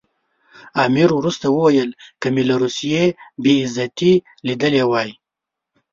امیر وروسته وویل که مې له روسیې بې عزتي لیدلې وای.